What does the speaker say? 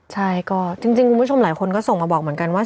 ใช่ก็จริงคุณผู้ชมหลายคนก็ส่งมาบอกเหมือนกันว่า